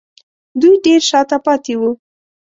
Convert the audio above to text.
دوی ډېر شا ته پاتې وو